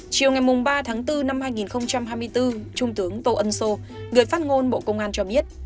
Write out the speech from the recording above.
chiều ngày ba tháng bốn năm hai nghìn hai mươi bốn trung tướng tô ân sô người phát ngôn bộ công an cho biết